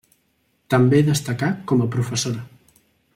També destacà com a professora.